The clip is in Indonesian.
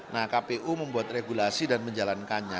nah kpu membuat regulasi dan menjalankannya